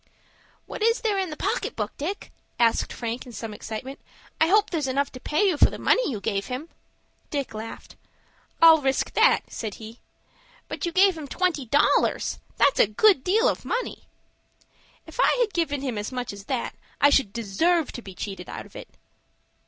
"What is there in the pocket book, Dick?" asked Frank in some excitement. "I hope there's enough to pay you for the money you gave him." Dick laughed. "I'll risk that," said he. "But you gave him twenty dollars. That's a good deal of money." "If I had given him as much as that, I should deserve to be cheated out of it."